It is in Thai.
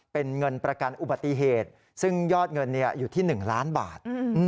เป็นเงินประกันอุบัติเหตุซึ่งยอดเงินอยู่ที่๑ล้านบาท